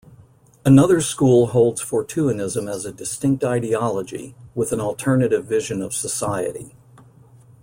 Another school holds Fortuynism as a distinct ideology, with an alternative vision of society.